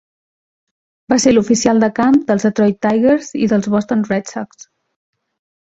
Va ser l'oficial de camp dels Detroit Tigers i els Boston Red Sox.